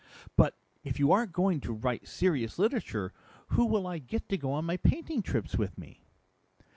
"But if you aren't going to write serious literature, who will I get to go on my painting trips with me?"